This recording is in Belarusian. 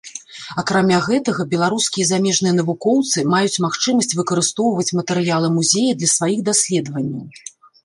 Акрамя гэтага, беларускія і замежныя навукоўцы маюць магчымасць выкарыстоўваць матэрыялы музея для сваіх даследаванняў.